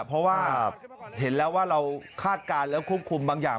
เพราะว่าเห็นแล้วว่าเราคาดการณ์แล้วควบคุมบางอย่าง